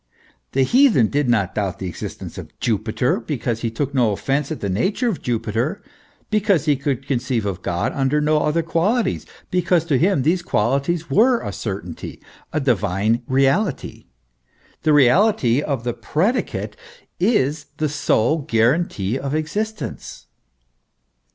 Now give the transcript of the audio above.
The heathen did not doubt the existence of Jupiter, because he took no offence at the nature of Jupiter, because he could conceive of God under no other qualities, because to him these qualities were a certainty, a divine reality. The reality of the predicate is the sole guarantee of existence.